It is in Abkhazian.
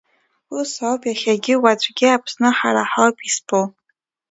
Ус ауп, иахьагьы уаҵәгьы, Аԥсны ҳара ҳауп изтәу!